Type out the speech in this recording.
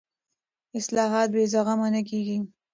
اصلاحات بې زغمه نه کېږي